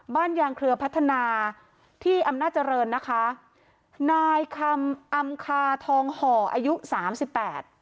ยางเครือพัฒนาที่อำนาจริงนะคะนายคำอำคาทองห่ออายุสามสิบแปด